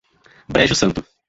Brejo Santo